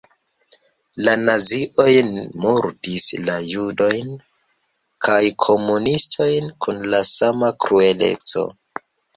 La nazioj murdis la judojn kaj komunistojn kun la sama krueleco.